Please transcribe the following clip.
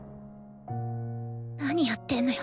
何やってんのよ